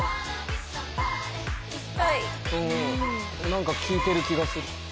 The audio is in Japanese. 何か効いてる気がする。